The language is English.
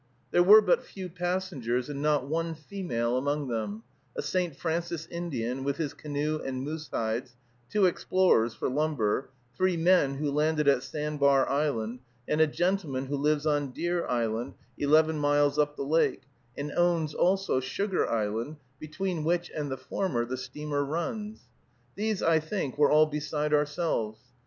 There were but few passengers, and not one female among them: a St. Francis Indian, with his canoe and moose hides; two explorers for lumber; three men who landed at Sandbar Island, and a gentleman who lives on Deer Island, eleven miles up the lake, and owns also Sugar Island, between which and the former the steamer runs; these, I think, were all beside ourselves.